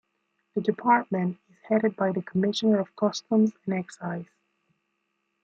The department is headed by the Commissioner of Customs and Excise.